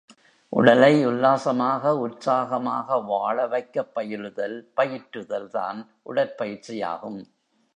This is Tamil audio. உடலை உல்லாசமாக, உற்சாகமாக வாழ வைக்கப்பயிலுதல், பயிற்றுதல் தான் உடற்பயிற்சியாகும்.